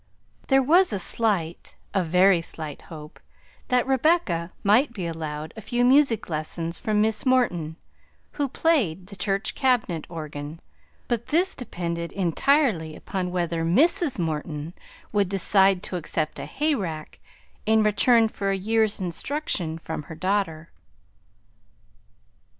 There was a slight, a very slight hope, that Rebecca might be allowed a few music lessons from Miss Morton, who played the church cabinet organ, but this depended entirely upon whether Mrs. Morton would decide to accept a hayrack in return for a year's instruction from her daughter.